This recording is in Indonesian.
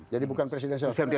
jadi bukan presiden selesai